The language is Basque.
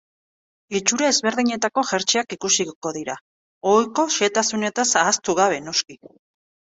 Itxura ezberdinetako jertseak ikusiko dira, ohiko xehetasunetaz ahaztu gabe, noski.